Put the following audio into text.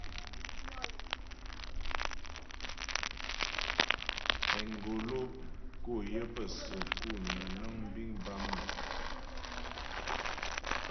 Engolo kǒ yə pə səku nə́ nəŋ biŋ bâ mnɔm.